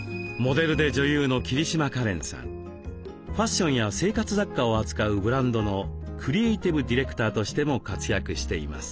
ファッションや生活雑貨を扱うブランドのクリエーティブディレクターとしても活躍しています。